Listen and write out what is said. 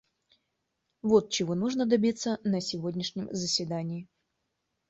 Вот чего нужно добиться на сегодняшнем заседании.